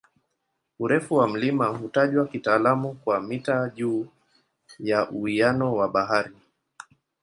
Urefu wa mlima hutajwa kitaalamu kwa "mita juu ya uwiano wa bahari".